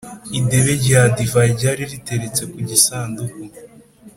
idebe rya divayi ryari riteretse ku gisanduku